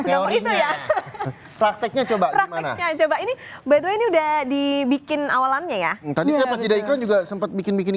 itu ya prakteknya coba coba ini betul ini udah dibikin awalannya ya tadi juga sempat bikin bikin